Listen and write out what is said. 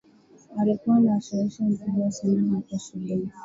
alikuwa na ushawishi mkubwa sana hapo shuleni